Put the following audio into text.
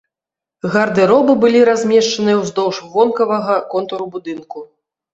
Гардэробы былі размешчаныя ўздоўж вонкавага контуру будынку.